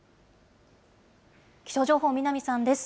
気象情報、南さんです。